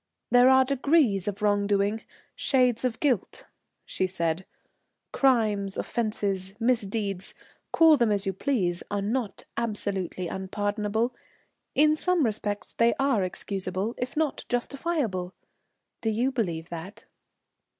"There are degrees of wrong doing, shades of guilt," she said. "Crimes, offences, misdeeds, call them as you please, are not absolutely unpardonable; in some respects they are excusable, if not justifiable. Do you believe that?"